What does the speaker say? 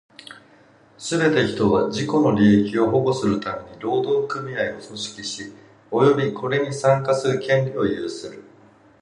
すべて人は、自己の利益を保護するために労働組合を組織し、及びこれに参加する権利を有する。